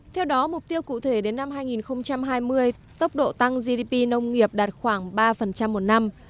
theo đó mục tiêu cụ thể đến năm hai nghìn hai mươi tốc độ tăng gdp nông nghiệp đạt khoảng ba một năm